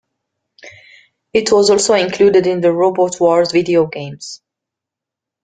It was also included in the "Robot Wars" video games.